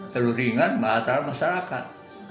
terlalu ringan marah masyarakat